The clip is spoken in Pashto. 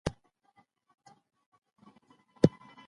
لمر چي د ميني زوال ووهي ويده سمه زه